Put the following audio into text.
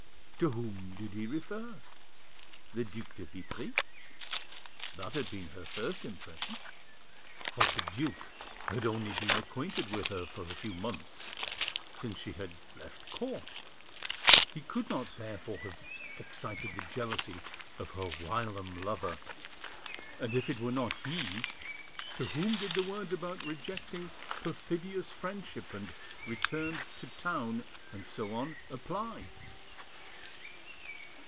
To whom did he refer? The Duc de Vitry? That had been her first impression. But the duke had only been acquainted with her for a few months—since she had—left Court. He could not therefore have excited the jealousy of her whilom lover; and if it were not he, to whom did the words about rejecting "perfidious friendship," and "returned to town," and so on, apply?